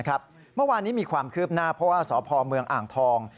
เมื่อวานนี้มีความคืบหน้าเพราะว่าสพเมืองอ่างทอง